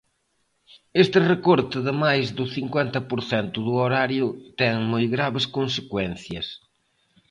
Este recorte de máis do cincuenta por cento do horario ten moi graves consecuencias.